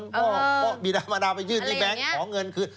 ก็บีดามันดาไปยื่นที่แบงค์ขอเงินคือ